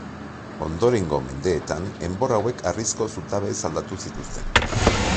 Ondorengo mendeetan enbor hauek harrizko zutabeez aldatu zituzten.